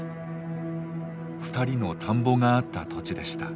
２人の田んぼがあった土地でした。